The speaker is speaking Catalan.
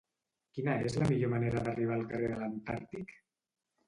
Quina és la millor manera d'arribar al carrer de l'Antàrtic?